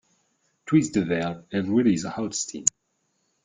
Twist the valve and release hot steam.